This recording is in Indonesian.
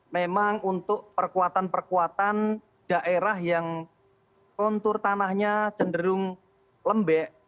memang untuk perkuatan perkuatan daerah yang kontur tanahnya cenderung lembek